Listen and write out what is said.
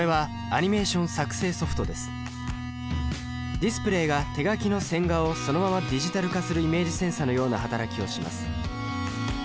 ディスプレイが手描きの線画をそのままディジタル化するイメージセンサのような働きをします。